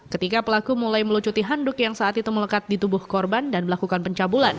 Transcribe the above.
ketika pelaku mulai melucuti handuk yang saat itu melekat di tubuh korban dan melakukan pencabulan